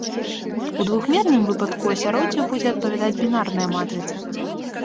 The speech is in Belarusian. У двухмерным выпадку асяроддзю будзе адпавядаць бінарная матрыца.